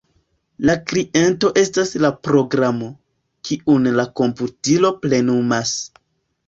La kliento estas la programo, kiun la komputilo plenumas.